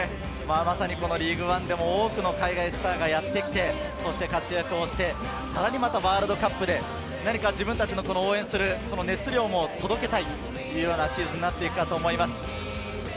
リーグワンでも多くの海外スターがやってきて、活躍して、さらにワールドカップで、自分たちの応援する熱量も届けたいというシーズンになっていくと思います。